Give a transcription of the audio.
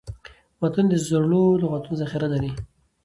متون د زړو لغاتو ذخیره لري.